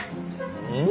うん？